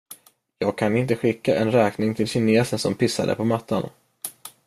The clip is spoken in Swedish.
Jag kan inte skicka en räkning till kinesen som pissade på mattan.